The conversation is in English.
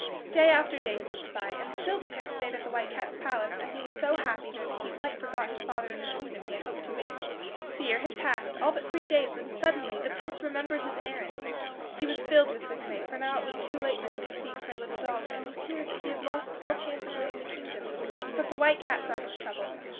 Day after day slipped by, and still the Prince stayed at the White Cat's palace, and he was so happy there that he quite forgot his father and the kingdom he had hoped to win. The year had passed, all but three days, when suddenly the Prince remembered his errand. He was filled with dismay, for now it was too late for him to seek for a little dog, and he feared he had lost all chance of winning the kingdom. But the White Cat saw his trouble.